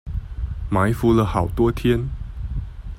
埋伏了好多天